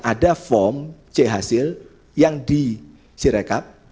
ada form c hasil yang di cirekap